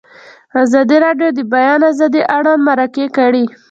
ازادي راډیو د د بیان آزادي اړوند مرکې کړي.